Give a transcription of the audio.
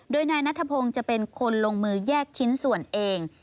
โดยนายนัทพงศ์จะเป็นคนลงมือแยกชิ้นส่วนเอง